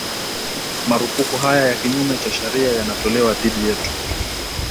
Marufuku haya ya kinyume cha sharia yanatolewa dhidi yetu